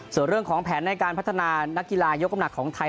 เสริมของแผนในการพัฒนานักกีฬายกกำหนักของไทย